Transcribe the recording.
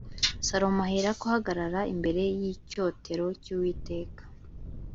Salomo aherako ahagarara imbere y’icyotero cy’Uwiteka